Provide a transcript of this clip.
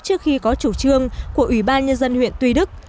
trước khi có chủ trương của ủy ban nhân dân huyện tuy đức